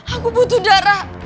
aku butuh darah